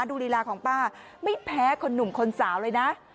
ลีลาของป้าไม่แพ้คนหนุ่มคนสาวเลยนะ